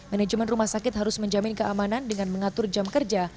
manajemen rumah sakit harus menjamin keamanan dengan mengatur jam kerja